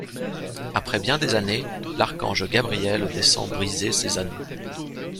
Après bien des années, l'archange Gabriel descend briser ses anneaux.